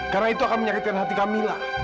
karena itu akan menyakitkan hati kamila